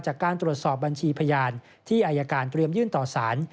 จากการตรวจสอบบัญชีพยานที่อายการเตรียมยื่นต่อสาร